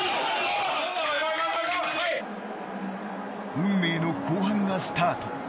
運命の後半がスタート。